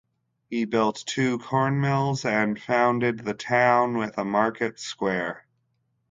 He built two corn mills and founded the town with a market square.